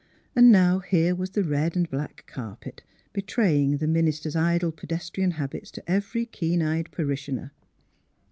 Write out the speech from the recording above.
And now here was the red and black carpet, betraying the minister's idle pedestrian habits to every keen eyed parishioner.